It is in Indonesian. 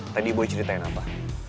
tadi boy ceritain apa